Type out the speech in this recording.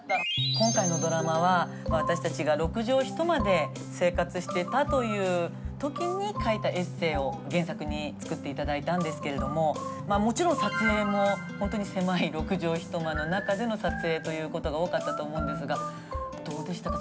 今回のドラマは私たちが６畳一間で生活していたという時に書いたエッセイを原作に作って頂いたんですけれどももちろん撮影も本当に狭い６畳一間の中での撮影ということが多かったと思うんですがどうでしたか？